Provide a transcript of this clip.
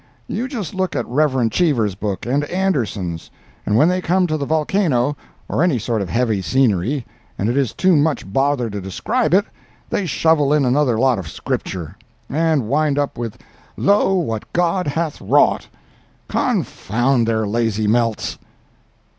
You just look at Rev. Cheever's book and Anderson's—and when they come to the volcano, or any sort of heavy scenery, and it is too much bother to describe it, they shovel in another lot of Scripture, and wind up with 'Lo! what God hath wrought!' Confound their lazy melts!